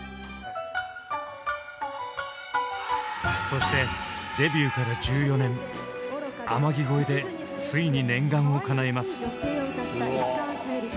そしてデビューから１４年「天城越え」でついに念願をかなえます。